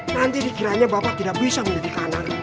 nanti dikiranya bapak tidak bisa menjadi kanan